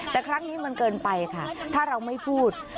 แต่ครั้งนี้มันเกินไปค่ะถ้าเราไม่พูด